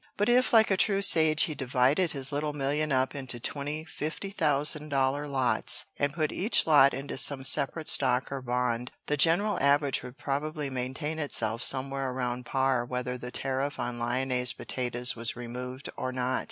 But if like a true sage he divided his little million up into twenty fifty thousand dollar lots, and put each lot into some separate stock or bond, the general average would probably maintain itself somewhere around par whether the tariff on lyonnaise potatoes was removed or not.